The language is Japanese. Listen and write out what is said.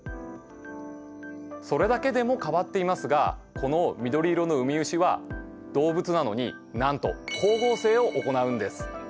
それだけでも変わっていますがこの緑色のウミウシは動物なのになんと光合成を行うんです。